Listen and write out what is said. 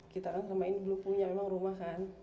kita kan kemarin belum punya rumah kan